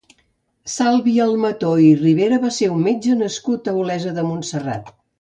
Salvi Almató i Rivera va ser un metge nascut a Olesa de Montserrat.